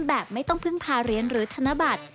แบบไม่ต้องพึ่งพาเหรียญหรือธนบัตร